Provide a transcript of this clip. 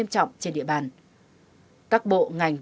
ttc đi hát cao cây